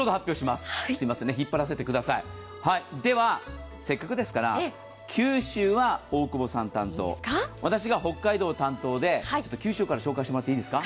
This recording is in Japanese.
すみません、引っ張らせてくださいでは、せっかくですから九州は大久保さん担当、私が北海道担当で、九州から紹介してもらっていいですか。